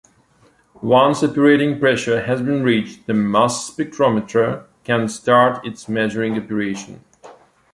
Once operating pressure has been reached, the mass spectrometer can start its measuring operation.